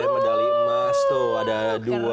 medali emas tuh ada dua